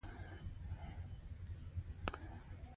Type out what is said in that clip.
هغه لا دمخه خپل درسونه ویلي وو.